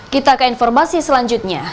kita ke informasi selanjutnya